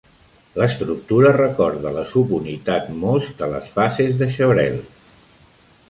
L'estructura recorda la subunitat MoS de les fases de Chevrel.